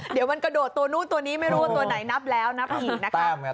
เดี๋ยวมันกระโดดตัวนู้นตัวนี้ไม่รู้ว่าตัวไหนนับแล้วนับอีกนะคะ